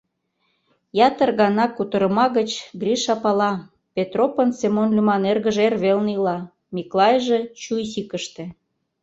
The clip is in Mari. Ятыр гана кутырыма гыч Гриша пала: Петропын Семон лӱман эргыже эрвелне ила, Миклайже — Чуйсикыште.